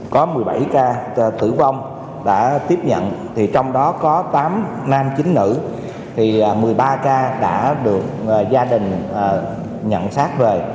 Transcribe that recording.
có một mươi bảy ca tử vong đã tiếp nhận trong đó có tám nam chín nữ một mươi ba ca đã được gia đình nhận sát về